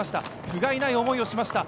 ふがいない思いをしました。